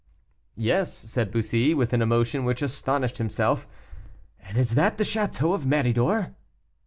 "Yes," said Bussy, with an emotion which astonished himself; "and is that the château of Méridor?"